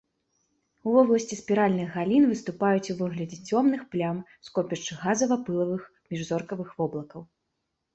У вобласці спіральных галін выступаюць у выглядзе цёмных плям скопішчы газава-пылавых міжзоркавых воблакаў.